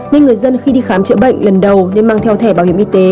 nên người dân khi đi khám chữa bệnh lần đầu nên mang theo thẻ bảo hiểm y tế